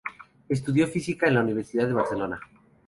Estudió Física en la Universidad de Barcelona.